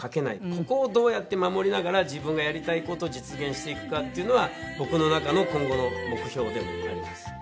ここをどうやって守りながら自分がやりたい事を実現していくかっていうのは僕の中の今後の目標でもあります。